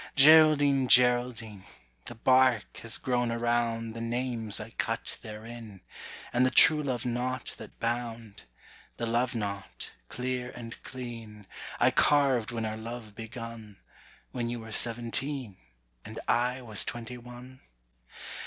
Geraldine, Geraldine, The bark has grown around The names I cut therein, And the truelove knot that bound; The love knot, clear and clean, I carved when our love begun, When you were seventeen, And I was twenty one?